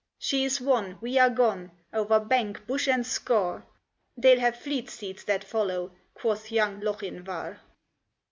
"She is won! we are gone, over bank, bush, and scaur; They'll have fleet steeds that follow," quoth young Lochinvar.